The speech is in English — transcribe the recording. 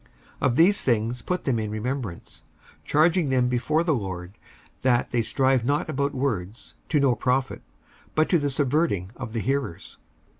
55:002:014 Of these things put them in remembrance, charging them before the Lord that they strive not about words to no profit, but to the subverting of the hearers.